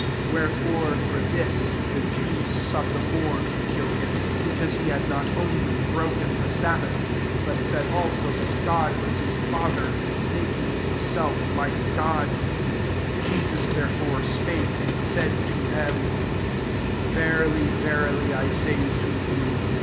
IS Wherefore, for this, the Jews sought the more to kill him ; because he had not only broken the sabbath, but said also, that God was his father, making himself like God. 19 Jesus, therefore, spake and said to them, Verily, verily, I say to you.